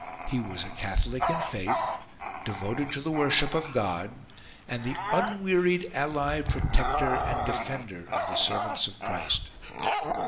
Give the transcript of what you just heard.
He was a Catholic in faith, devoted to the worship of God, and the unwearied ally, protector, and defender of the servants of Christ.